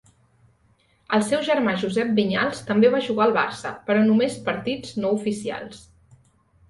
El seu germà Josep Vinyals també va jugar al Barça però només partits no oficials.